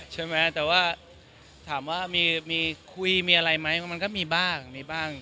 ใช่ไหมแต่ว่าถามว่ามีคุยมีอะไรไหมมันก็มีบ้างมีบ้าง